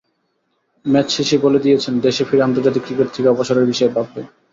Match শেষেই বলে দিয়েছেন, দেশে ফিরে আন্তর্জাতিক ক্রিকেট থেকে অবসরের বিষয়ে ভাববেন।